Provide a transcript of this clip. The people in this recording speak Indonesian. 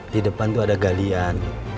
di depan itu ada galian